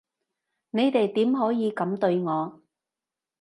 你哋點可以噉對我？